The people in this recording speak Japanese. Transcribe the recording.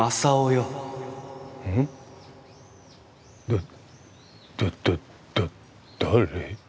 だだだだ誰？